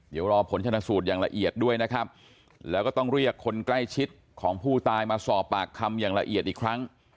เดี๋ยวรอผลชนะสูตรอย่างละเอียดด้วยนะครับแล้วก็ต้องเรียกคนใกล้ชิดของผู้ตายมาสอบปากคำอย่างละเอียดอีกครั้ง